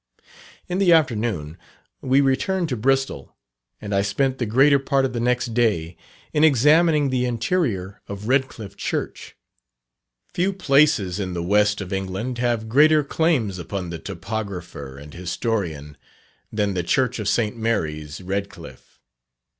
In the afternoon we returned to Bristol, and I spent the greater part of the next day in examining the interior of Redcliffe Church. Few places in the West of England have greater claims upon the topographer and historian than the church of St. Mary's, Redcliffe.